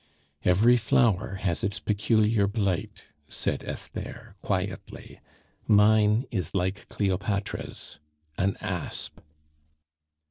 "Every flower has its peculiar blight!" said Esther quietly. "Mine is like Cleopatra's an asp."